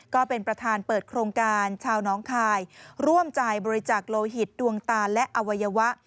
ก็เป็นประธานเปิดโครงการชาวน้องคายร่วมจ่ายบริจักษ์โลหิตดวงตาและอวัยวะ